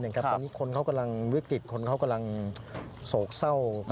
ตอนนี้คนเขากำลังวิกฤตคนเขากำลังโศกเศร้า